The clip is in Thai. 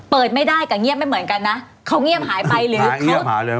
เปิดไม่ได้กับเงียบไม่เหมือนกันนะเขาเงียบหายไปหรือเงียบหายเลย